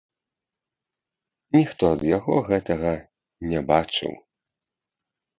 Ніхто ад яго гэтага не бачыў.